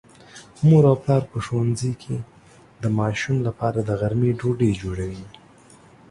مور او پلار په ښوونځي کې د ماشوم لپاره د غرمې ډوډۍ جوړوي.